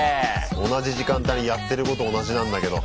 同じ時間帯にやってること同じなんだけど。